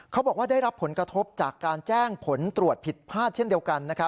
เขาบอกว่าได้รับผลกระทบจากการแจ้งผลตรวจผิดพลาดเช่นเดียวกัน